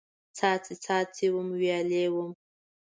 څاڅکي، څاڅکي وم، ویالې وم